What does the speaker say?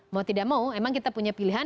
mau tidak mau memang kita punya pilihan